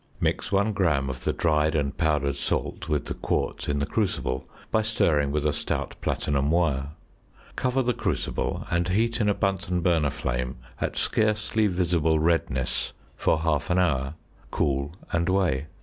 Mix 1 gram of the dried and powdered salt with the quartz in the crucible by stirring with a stout platinum wire. Cover the crucible, and heat in a Bunsen burner flame at scarcely visible redness for half an hour. Cool and weigh.